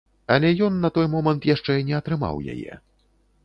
Але ён на той момант яшчэ не атрымаў яе.